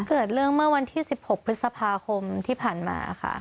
เกิดเรื่องเมื่อวันที่๑๖พฤษภาคมที่ผ่านมาค่ะ